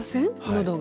喉が。